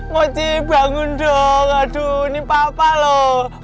moci bangun dong aduh ini apa apa loh